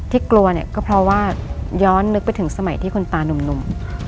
กลัวเนี่ยก็เพราะว่าย้อนนึกไปถึงสมัยที่คุณตานุ่ม